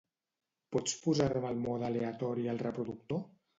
Pots posar-me el mode aleatori al reproductor?